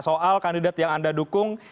soal kandidat yang anda dukung